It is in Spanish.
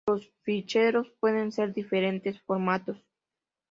Los ficheros pueden ser de diferentes formatos.